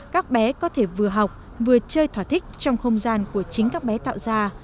các bé có thể vừa học vừa chơi thỏa thích trong không gian của chính các bé tạo ra